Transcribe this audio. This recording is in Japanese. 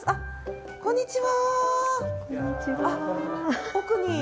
こんにちは。